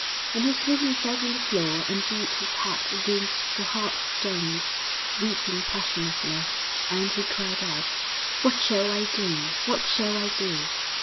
And he threw himself on the floor and beat his head against the hard stones, weeping passionately. And he cried out, 'What shall I do? What shall I do?'